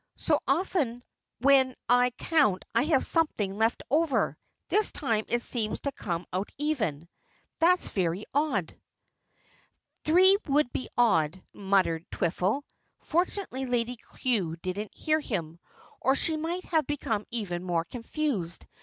So often when I count I have something left over. This time it seems to come out even. That's very odd." "Three would be odd," muttered Twiffle. Fortunately Lady Cue didn't hear him, or she might have become even more confused.